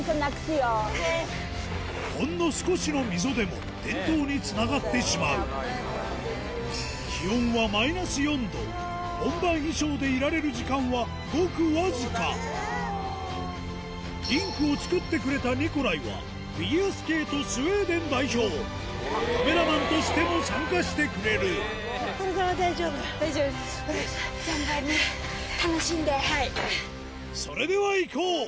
ほんの少しの溝でも転倒につながってしまう本番衣装でいられる時間はごくわずかリンクを作ってくれたニコライはフィギュアスケートスウェーデン代表カメラマンとしても参加してくれるそれではいこう！